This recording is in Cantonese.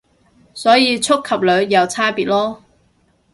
所以觸及率有差別囉